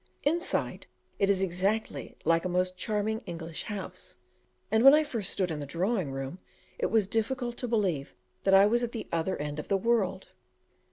Inside, it is exactly like a most charming English house, and when I first stood in the drawing room it was difficult to believe: that I was at the other end of the world.